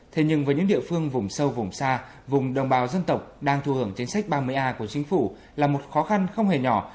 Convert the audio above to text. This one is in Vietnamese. thế nhưng với những địa phương vùng sâu vùng xa vùng đồng bào dân tộc đang thu hưởng chính sách ba mươi a của chính phủ là một khó khăn không hề nhỏ